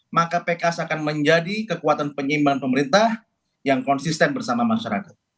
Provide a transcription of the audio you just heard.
maka pks akan menjadi kekuatan penyimbang pemerintah yang konsisten bersama masyarakat